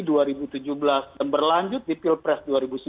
dan berlanjut di pilpres dua ribu sembilan belas